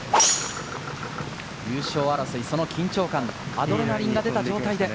優勝争い、その緊張感、アドレナリンが出た状態で。